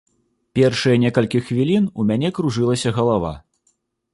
Першыя некалькі хвілін у мяне кружылася галава.